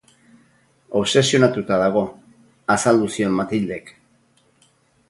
Obsesionatuta dago, azaldu zion Matildek.